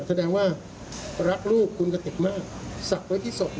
แสดงว่ารักลูกคุณกติกมากศักดิ์ไว้ที่ศพ